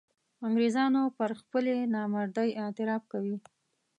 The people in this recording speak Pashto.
انګرېزان پر خپلې نامردۍ اعتراف کوي.